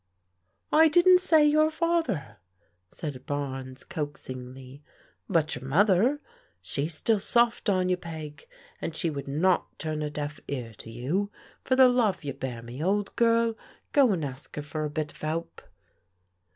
I didn't say your father," said Barnes coaxingly, but your mother. She's still soft on you. Peg, and she would not turn a deaf ear to you. For the love you bear me, old girl, go and ask her for a bit of help."